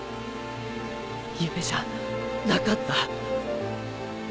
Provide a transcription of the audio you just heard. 夢じゃなかった。